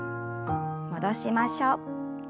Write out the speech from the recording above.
戻しましょう。